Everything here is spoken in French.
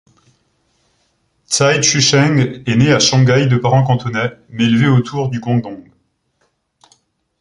Cai Chusheng est né à Shanghai de parents cantonais, mais élevé autour de Guangdong.